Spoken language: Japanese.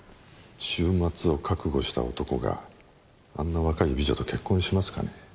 終末を覚悟した男があんな若い美女と結婚しますかねえ。